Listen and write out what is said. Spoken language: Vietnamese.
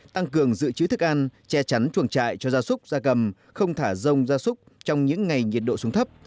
tăng cường dự trữ thức ăn che chắn chuồng trại cho gia súc gia cầm không thả rông gia súc trong những ngày nhiệt độ xuống thấp